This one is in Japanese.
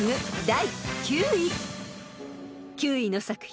第９位］